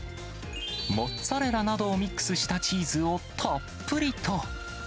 モッツァレラなどをミックスしたチーズをたっぷりと。